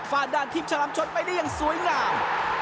ด้านทีมฉลามชนไปได้อย่างสวยงาม